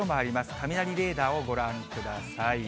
雷レーダーをご覧ください。